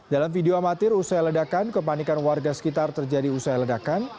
dalam video amatir usai ledakan kepanikan warga sekitar terjadi usai ledakan